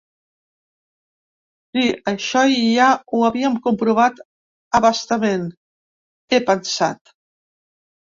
Sí, això ja ho havíem comprovat a bastament, he pensat.